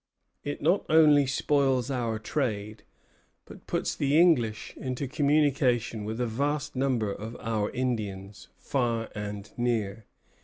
"It not only spoils our trade, but puts the English into communication with a vast number of our Indians, far and near.